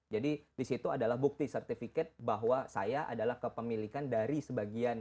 jadi di situ adalah bukti sertifikat bahwa saya adalah kepemilikan dari sebagian